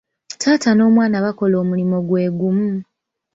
Taata n'omwana bakola omulimu gwe gumu.